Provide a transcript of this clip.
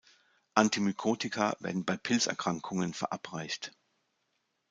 Antimykotika werden bei Pilzerkrankungen verabreicht.